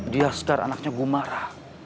dia sekar anaknya gumara